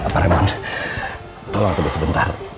pak remon tolong tunggu sebentar